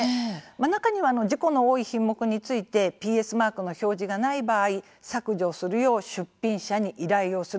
中には事故の多い品目についてＰＳマークの表示がない場合削除するよう出品者に依頼をする。